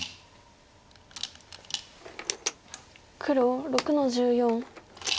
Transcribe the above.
黒６の十四。